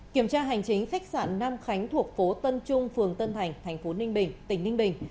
kiểm tra hành chính khách sạn nam khánh thuộc phố tân trung phường tân thành thành phố ninh bình tỉnh ninh bình